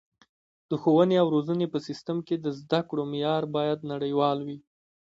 د ښوونې او روزنې په سیستم کې د زده کړو معیار باید نړیوال وي.